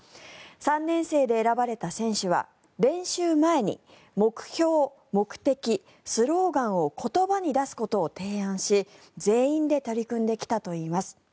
３年生で選ばれた選手は練習前に目標、目的、スローガンを言葉に出すことを提案し全員で取り組んできたといいます。